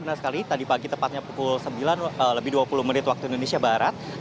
benar sekali tadi pagi tepatnya pukul sembilan lebih dua puluh menit waktu indonesia barat